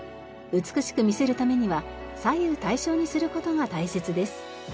美しく見せるためには左右対称にする事が大切です。